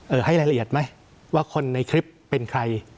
ให้รายละเอียดไหมว่าคนในคลิปเป็นใคร